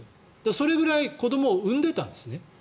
それぐらい子どもを産んでたんですね。